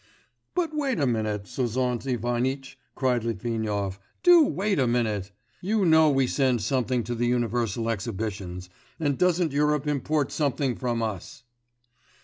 'But wait a minute, Sozont Ivanitch,' cried Litvinov. 'Do wait a minute! You know we send something to the universal exhibitions, and doesn't Europe import something from us.